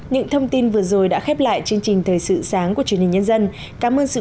những thông tin vừa rồi đã khép lại chương trình thời sự sáng của truyền hình nhân dân cảm ơn sự